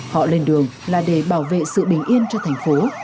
họ lên đường là để bảo vệ sự bình yên cho thành phố